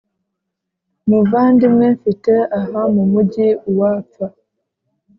muvandimwe mfite aha mumujyi uwapfa